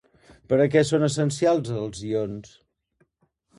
Per a què són essencials els ions?